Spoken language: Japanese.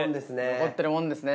残ってるもんですね。